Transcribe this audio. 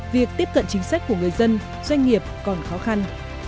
việc tiếp cận chính sách của người dân doanh nghiệp còn khó khăn